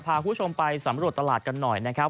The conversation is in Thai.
พาคุณผู้ชมไปสำรวจตลาดกันหน่อยนะครับ